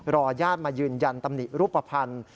ญาติมายืนยันตำหนิรูปภัณฑ์